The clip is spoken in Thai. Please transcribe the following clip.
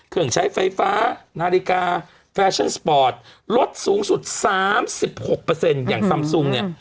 เครื่องใช้ไฟฟ้านาฬิกาแฟชั่นสปอร์ตลดสูงสุด๓๖อย่างซำซุงเนี่ย